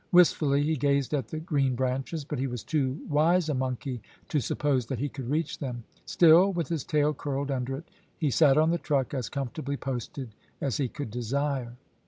Wistfully he gazed at the green branches, but he was too wise a monkey to suppose that he could reach them. Still, with his tail curled under it, he sat on the truck, as comfortably posted as he could desire.